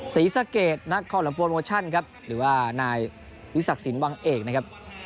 ศรีสะเกดนักคอลลำโปรโมชั่นครับหรือว่านายวิศักดิ์สินวังเอกนะครับ